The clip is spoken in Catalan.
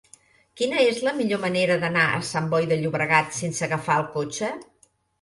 Quina és la millor manera d'anar a Sant Boi de Llobregat sense agafar el cotxe?